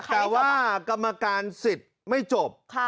แล้วกระมะกาลสิทธิ์ไม่จบ